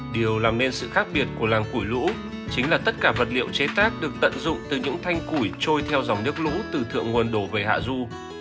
điều làm nên sự khác biệt của làng củi lũ chính là tất cả vật liệu chế tác được tận dụng từ những thanh củi trôi theo dòng nước lũ từ thượng nguồn đổ về hạ du